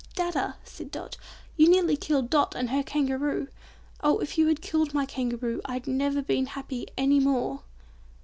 "Dadda," said Dot, "You nearly killed Dot and her Kangaroo! Oh if you killed my Kangaroo, I'd never have been happy any more!"